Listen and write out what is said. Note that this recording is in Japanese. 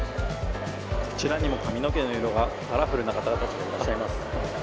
こちらにも髪の毛の色がカラフルな方がいらっしゃいます。